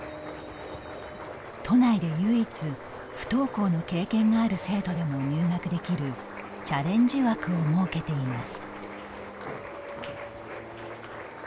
都内で唯一、不登校の経験がある生徒でも入学できるチャレンジ枠を設けています。